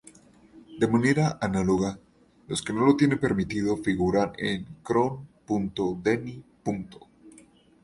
De manera análoga, los que no lo tienen permitido figuran en cron.deny.